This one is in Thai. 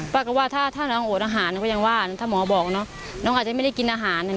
ป้าก็ว่าถ้าน้องโอดอาหารก็ยังว่าถ้าหมอบอกเนาะน้องอาจจะไม่ได้กินอาหาร